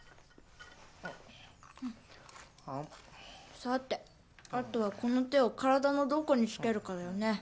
さてあとはこの手を体のどこにつけるかだよね。